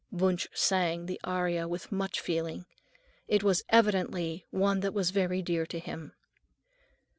Wunsch sang the aria with much feeling. It was evidently one that was very dear to him.